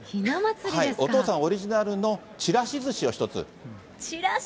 お父さんオリジナルのちらしずしを一つ。